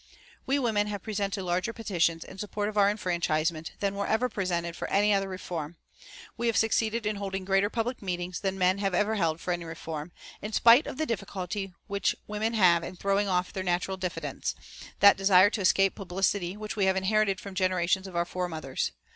"We women have presented larger petitions in support of our enfranchisement than were ever presented for any other reform; we have succeeded in holding greater public meetings than men have ever held for any reform, in spite of the difficulty which women have in throwing off their natural diffidence, that desire to escape publicity which we have inherited from generations of our foremothers.